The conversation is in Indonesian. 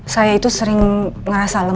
saya itu sering ngerasa lemah